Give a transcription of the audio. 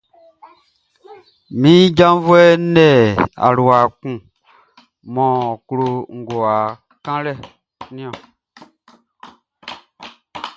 Min janvuɛʼn le alua kun mʼɔ klo ngowa kanlɛʼn niɔn.